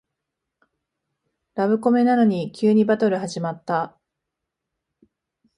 ラブコメなのに急にバトル始まった